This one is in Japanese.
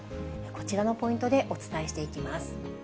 こちらのポイントでお伝えしていきます。